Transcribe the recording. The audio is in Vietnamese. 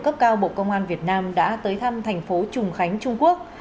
cấp cao bộ công an việt nam đã tới thăm thành phố trùng khánh trung quốc